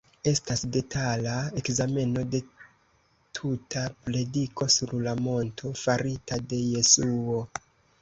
Estas detala ekzameno de tuta prediko sur la monto farita de Jesuo.